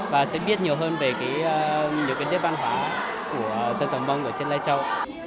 và sẽ biết nhiều hơn về những cái nếp văn hóa của dân tộc mong ở trên lê châu